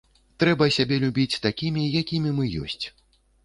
Трэба сябе любіць такімі, якімі мы ёсць.